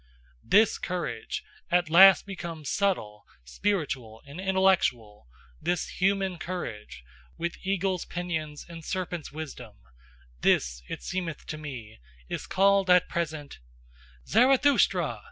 THIS courage, at last become subtle, spiritual and intellectual, this human courage, with eagle's pinions and serpent's wisdom: THIS, it seemeth to me, is called at present " "ZARATHUSTRA!"